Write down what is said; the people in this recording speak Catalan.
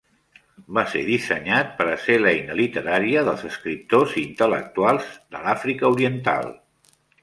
Va ser dissenyat per a ser l'eina literària dels escriptors i intel·lectuals l'Àfrica oriental.